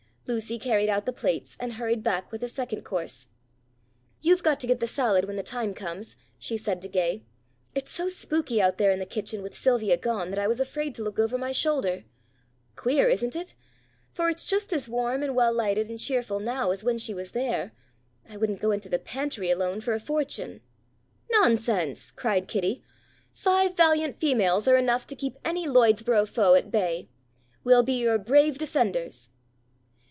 Lucy carried out the plates, and hurried back with the second course. "You've got to get the salad when the time comes," she said to Gay. "It's so spooky out there in the kitchen with Sylvia gone, that I was afraid to look over my shoulder. Queer, isn't it! For it's just as warm and well lighted and cheerful now as when she was there. I wouldn't go into the pantry alone for a fortune." "Nonsense!" cried Kitty. "Five valiant females are enough to keep any Lloydsboro foe at bay. We'll be your brave defenders."